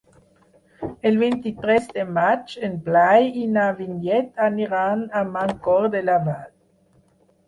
El vint-i-tres de maig en Blai i na Vinyet aniran a Mancor de la Vall.